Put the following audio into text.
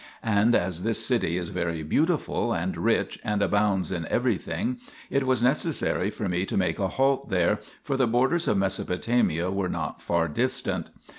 And as this city is very beautiful and rich and abounds in everything, it was necessary for me to make a halt there, for the borders of Mesopotamia were not far distant.